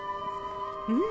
うん！